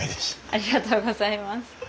ありがとうございます。